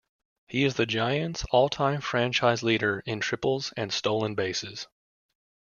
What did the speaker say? He is the Giants' all-time franchise leader in triples and stolen bases.